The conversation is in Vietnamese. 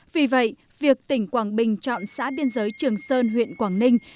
vì vậy việc tỉnh quảng bình chọn xã biên giới trường sơn huyện quảng ninh